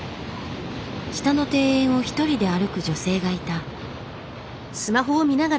下の庭園を一人で歩く女性がいた。